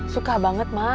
suka banget ma